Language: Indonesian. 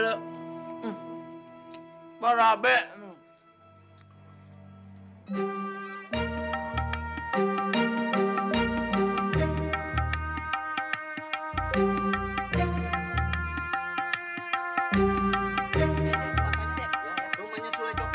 rumahnya sulai copet di mana